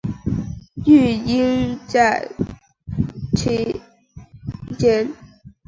育婴假期间